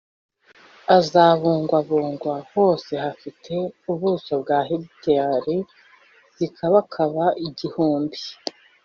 Azabungwabungwa hose hafite ubuso bwa hegitari zikabakaba igihumbi